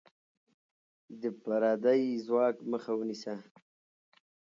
د پردی ځواک مخه ونیسه.